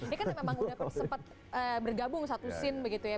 ini kan memang udah sempat bergabung satu scene begitu ya